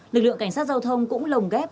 lực lượng cảnh sát giao thông cũng lồng ghép